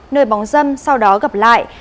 nơi bóng dâm sau đó gặp lại